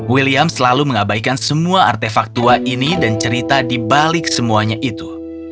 william selalu mengabaikan semua artefak tua ini dan cerita di balik semuanya itu